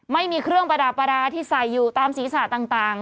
ไม่มีเครื่องประดับประดาษที่ใส่อยู่ตามศีรษะต่าง